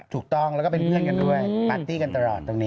ถูกต้องแล้วก็เป็นเพื่อนกันด้วยปาร์ตี้กันตลอดตรงนี้